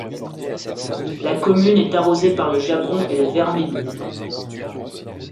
La commune est arrosée par le Jabron et le Vermenon.